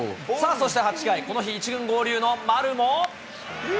そして８回、この日、１軍合流の丸も。